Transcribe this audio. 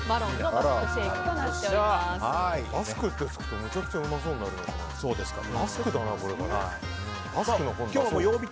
バスクってつくとめちゃくちゃうまそうですね。